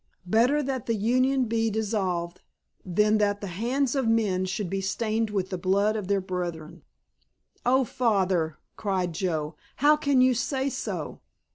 Better that the Union be dissolved than that the hands of men should be stained with the blood of their brethren." "Oh, Father," cried Joe, "how can you say so!